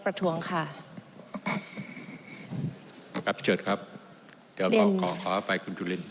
ประทวงค่ะครับเจิดครับเดี๋ยวขอขออภัยคุณจุลิน